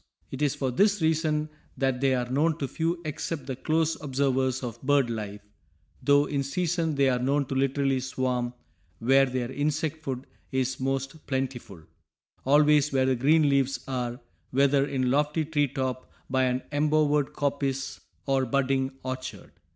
It is for this reason that they are known to few except the close observers of bird life, though in season they are known to literally swarm where their insect food is most plentiful "always where the green leaves are, whether in lofty tree top, by an embowered coppice, or budding orchard.